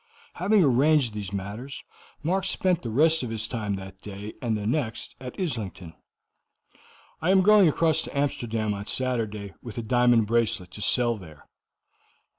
Having arranged these matters, Mark spent the rest of his time that day and the next at Islington. "I am going across to Amsterdam on Saturday with a diamond bracelet to sell there."